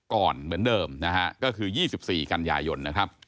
ก่อนเหมือนเดิมนะฮะก็คือ๒๔กัลยายน